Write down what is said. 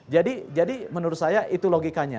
jadi menurut saya itu logikanya